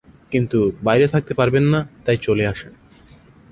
কিন্তু বাইরে থাকতে পারবেন না তাই চলে আসেন।